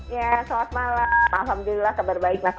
ya selamat malam alhamdulillah kabar baik mas